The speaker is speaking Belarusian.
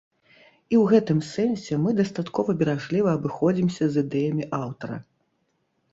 І ў гэтым сэнсе мы дастаткова беражліва абыходзімся з ідэямі аўтара.